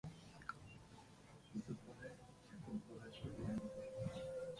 Kə ɓes avuh aviyenene ziŋ a ?